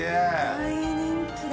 大人気だ。